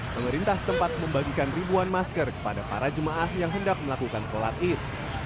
pemerintah setempat membagikan ribuan masker kepada para jemaah yang hendak melakukan sholat id